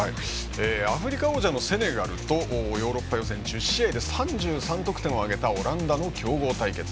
アフリカ王者のセネガルとヨーロッパ予選１０試合で３３得点を挙げたオランダの強豪対決。